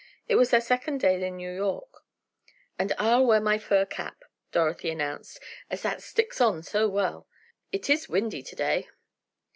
It was their second day in New York. "And I'll wear my fur cap," Dorothy announced, "as that sticks on so well. It is windy to day."